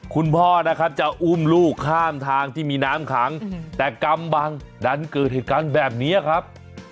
คุณพ่อนะครับจะอุ้มลูกข้ามทางที่มีน้ำขังแต่กำบังดันเกิดเหตุการณ์แบบนี้ครับ